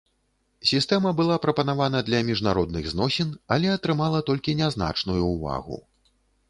Сістэма была прапанавана для міжнародных зносін, але атрымала толькі нязначную ўвагу.